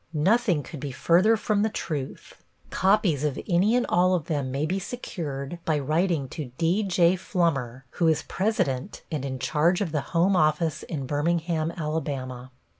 Nothing could be further from the truth. Copies of any and all of them may be secured by writing to D.J. Flummer, who is President and in charge of the home office in Birmingham, Alabama.